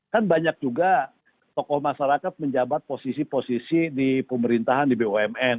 kan banyak juga tokoh masyarakat menjabat posisi posisi di pemerintahan di bumn